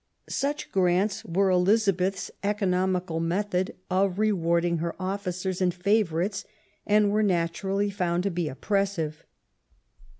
Such grants were Elizabeth's economical method of rewarding her officers and favourites, and were naturally found to be oppressive.